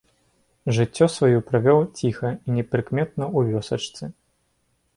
Жыццё сваю правёў ціха і непрыкметна ў вёсачцы.